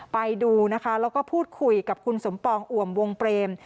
ไปดูนะคะแล้วก็พูดคุยกับคุณสมปองอ่วมวงเปรม